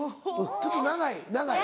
ちょっと長い長い。